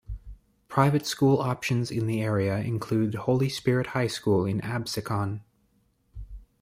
Private school options in the area include Holy Spirit High School in Absecon.